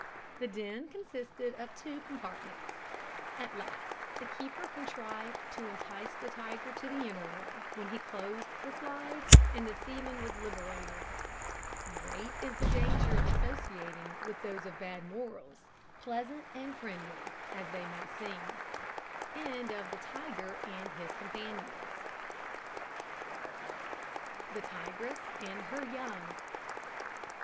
The den consisted of two compartments. At last the keeper contrived to entice the tiger to the inner one, when he closed the slide, and the seaman was liberated. Great is the danger of associating with those of bad morals pleasant and friendly as they may seem. THE TIGRESS AND HER YOUNG.